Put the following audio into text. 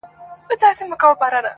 • د اولیاوو او شیخانو پیر وو -